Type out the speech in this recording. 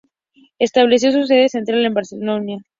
Estableció su sede central en Varsovia.